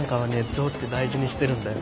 ゾウって大事にしてるんだよ。